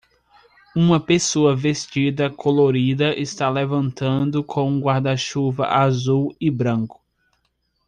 Uma pessoa vestida colorida está levantando com um guarda-chuva azul e branco.